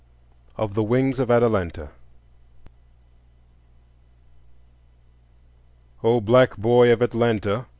V. Of the Wings of Atalanta O black boy of Atlanta!